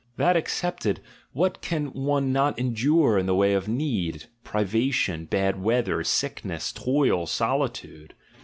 —■ That excepted, what can one not endure in the way of need, privation, bad weather, sickness, toil, solitude?